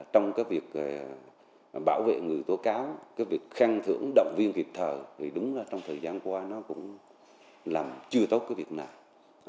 trong cái việc bảo vệ người tố cáo cái việc khăng thưởng động viên kịp thờ thì đúng là trong thời gian qua nó cũng làm chưa tốt cái việc nào